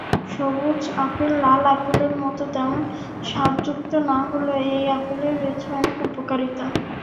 সবুজ আপেল লাল আপেলের মতো তেমন স্বাদযুক্ত না হলেও এই আপেলের রয়েছে অনেক উপকারিতা।